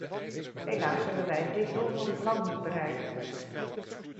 Helaas hebben wij dit doel nog lang niet bereikt.